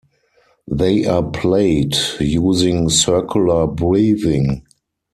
They are played using circular breathing.